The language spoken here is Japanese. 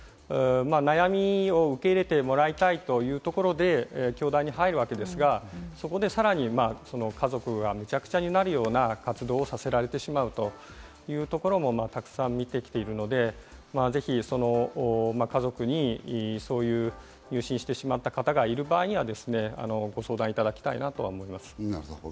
悩みを受け入れてもらいたいというところで教団に入るわけですが、そこでさらに家族がめちゃくちゃになるような活動をさせられてしまうというところもたくさん見てきているので、ぜひ家族にそういう入信してしまった方がいる場合は、ご相談いただきたいなと思います。